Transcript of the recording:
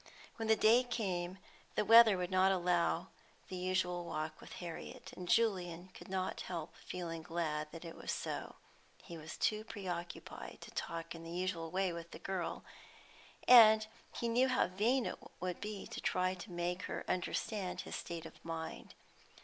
When the day came, the weather would not allow the usual walk with Harriet, and Julian could not help feeling glad that it was so. He was too pre occupied to talk in the usual way with the girl, and he knew how vain it would be to try and make her understand his state of mind.